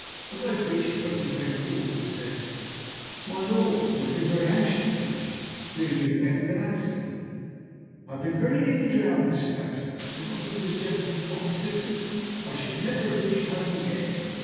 As I beached the boat he came forward and said: "My lord, we have been very anxious about you. We feared you had met with an accident." "I have been very nearly drowned, Mr. Baxter. Had it not been for this gentleman's prompt assistance I should never have reached home again."